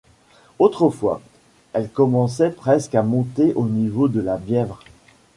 Autrefois, elle commençait presque à monter au niveau de la Bièvre.